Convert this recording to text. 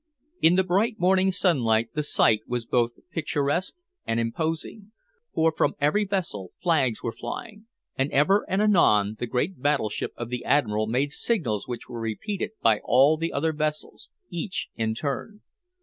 In the bright morning sunlight the sight was both picturesque and imposing, for from every vessel flags were flying, and ever and anon the great battleship of the Admiral made signals which were repeated by all the other vessels, each in turn.